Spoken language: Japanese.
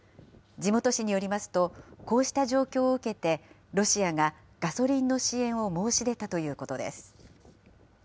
地元紙によりますと、こうした状況を受けて、ロシアがガソリンの支援を申し出たということです。